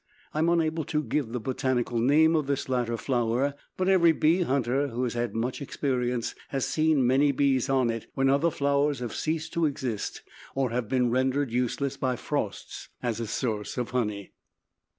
I am unable to give the botanical name of this latter flower, but every bee hunter who has had much experience has seen many bees on it when other flowers have ceased to exist or have been rendered useless by frosts, as a source of honey.